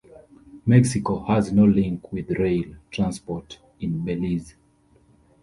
Mexico has no link with rail transport in Belize.